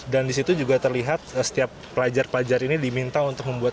dan di situ juga terlihat setiap pelajar pelajar ini diminta untuk membuat